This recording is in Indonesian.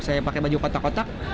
saya pakai baju kotak kotak